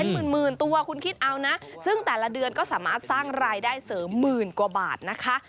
หมื่นตัวคุณคิดเอานะซึ่งแต่ละเดือนก็สามารถสร้างรายได้เสริมหมื่นกว่าบาทนะคะ